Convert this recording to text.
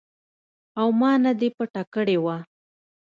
او ما نه دې پټه کړې وه.